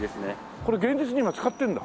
これ現実に今使ってるんだ？